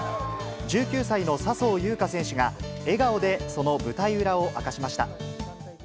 １９歳の笹生優花選手が、笑顔でその舞台裏を明かしました。